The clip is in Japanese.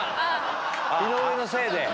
井上のせいで。